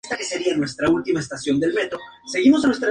Allí experimenta con nuevos cultivos de cosecha.